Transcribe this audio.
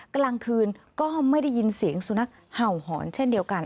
กลางคืนก็ไม่ได้ยินเสียงสุนัขเห่าหอนเช่นเดียวกัน